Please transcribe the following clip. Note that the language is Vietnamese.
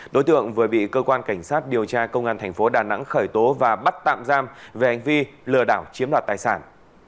đối tượng vừa bị cơ quan cảnh sát điều tra công an thành phố đà nẵng khởi tố và bắt tạm giam về hành vi lừa đảo chiếm đoạt tài sản